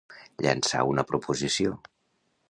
Llançar una proposició.